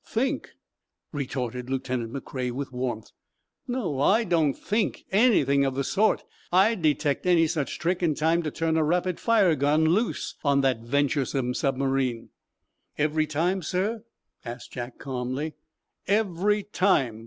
"Think?" retorted Lieutenant McCrea, with warmth. "No; I don't think anything of the sort. I'd detect any such trick in time to turn a rapid fire gun loose on the venturesome submarine!" "Every time, sir?" asked Jack, calmly. "Every time!"